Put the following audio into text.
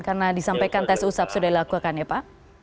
karena disampaikan tes usap sudah dilakukan ya pak